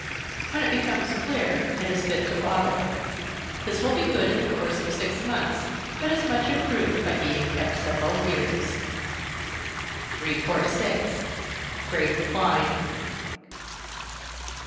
When it becomes clear, it is fit to bottle. This will be good in the course of six months, but it is much improved by being kept several years. 346. _Grape Wine.